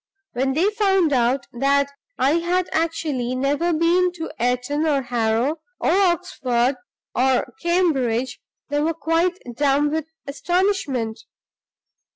When they found out that I had actually never been to Eton or Harrow, or Oxford or Cambridge, they were quite dumb with astonishment.